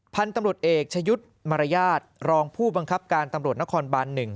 พันธุ์ตำลูกเอกชายุทธมารยาทรองผู้บังคับการตำลูกนครบานหนึ่ง